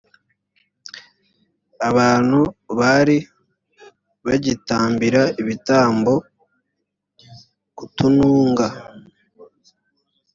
abantu bari bagitambira ibitambo ku tununga